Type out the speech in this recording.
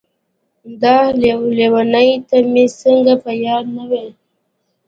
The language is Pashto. داح لېونۍ ته مې څنګه په ياده نه وې.